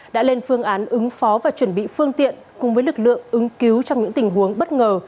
đã lên phương án ứng phó và chuẩn bị phương tiện cùng với lực lượng ứng cứu trong những tình huống bất ngờ